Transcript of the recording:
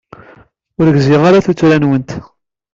Ur gziɣ ara tuttra-nwent.